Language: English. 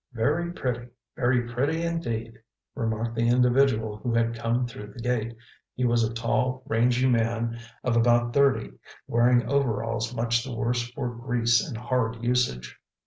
"Very pretty, very pretty indeed!" remarked the individual who had come through the gate. He was a tall, rangy man of about thirty, wearing overalls much the worse for grease and hard usage.